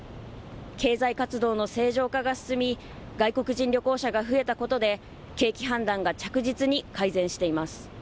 経済活動の正常化が進み外国人旅行者が増えたことで景気判断が着実に改善しています。